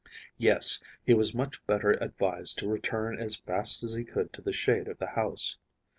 Yes, he was much better advised to return as fast as he could to the shade of the house.